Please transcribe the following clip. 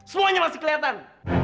semuanya masih kelihatan